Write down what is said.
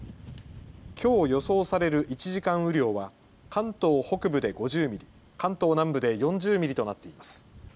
きょう予想される１時間雨量は関東北部で５０ミリ、関東南部で４０ミリとなっています。